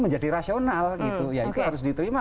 menjadi rasional itu harus diterima